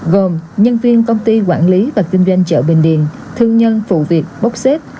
gồm nhân viên công ty quản lý và kinh doanh chợ bình điền thương nhân phụ việc bốc xếp